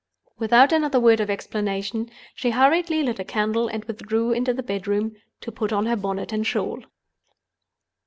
Without another word of explanation, she hurriedly lit a candle and withdrew into the bedroom to put on her bonnet and shawl.